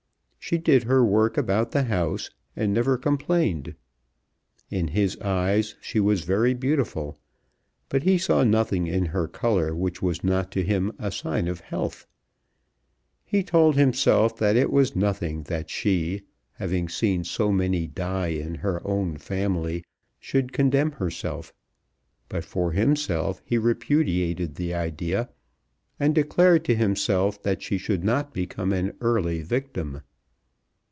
She did her work about the house, and never complained. In his eyes she was very beautiful; but he saw nothing in her colour which was not to him a sign of health. He told himself that it was nothing that she, having seen so many die in her own family, should condemn herself; but for himself he repudiated the idea, and declared to himself that she should not become an early victim.